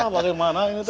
bagaimana ini teh